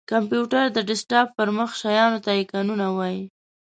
کمپېوټر:د ډیسکټاپ پر مخ شېانو ته آیکنونه وایې!